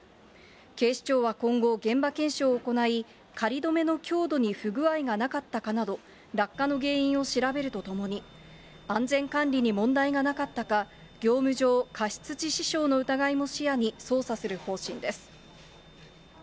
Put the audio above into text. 警視庁は今後、現場検証を行い、仮止めの強度に不具合がなかったかなど、落下の原因を調べるとともに、安全管理に問題がなかったか、業務上過失致死傷の疑いも視野に捜査する方針です。